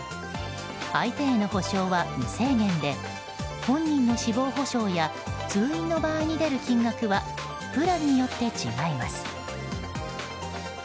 相手への補償は無制限で本人の死亡補償や通院の場合に出る金額はプランによって違います。